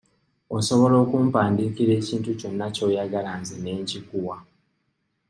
Osobola okumpandiikira ekintu kyonna ky'oyagala nze ne nkikuwa.